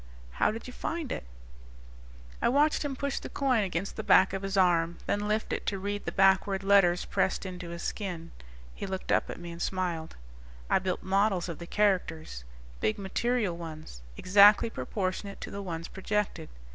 "How did you find it?" I watched him push the coin against the back of his arm, then lift it to read the backward letters pressed into his skin. He looked up at me and smiled. "I built models of the characters. Big material ones, exactly proportionate to the ones projected.